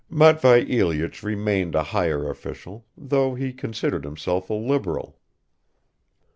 Matvei Ilyich remained a higher official, though he considered himself a liberal.